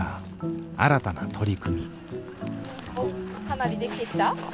かなりできてきた？